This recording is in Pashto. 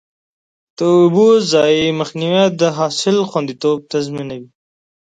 د اوبو ضایع مخنیوی د حاصل خوندیتوب تضمینوي.